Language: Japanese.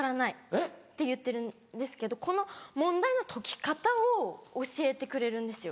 えっ？って言ってるんですけどこの問題の解き方を教えてくれるんですよ。